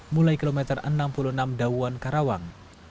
mulai kilometer enam puluh enam dawuan karawang